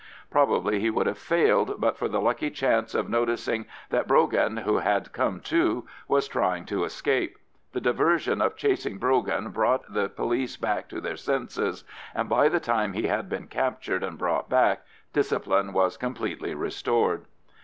Probably he would have failed but for the lucky chance of noticing that Brogan, who had come to, was trying to escape. The diversion of chasing Brogan brought the police back to their senses, and by the time he had been captured and brought back, discipline was completely restored.